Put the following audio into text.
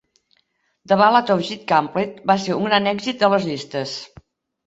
"The Ballad of Jed Clampett" va ser un gran èxit a les llistes.